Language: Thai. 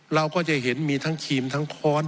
เราก็จะเห็นมีทั้งครีมทั้งคอร์ส